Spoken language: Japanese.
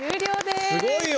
すごい！